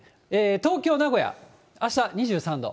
東京、名古屋、あした２３度。